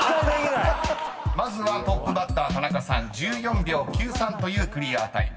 ［まずはトップバッター田中さん１４秒９３というクリアタイム］